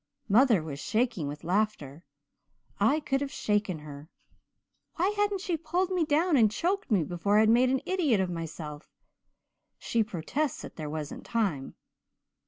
Mother was shaking with laughter. I could have shaken her. Why hadn't she pulled me down and choked me before I had made such an idiot of myself. She protests that there wasn't time.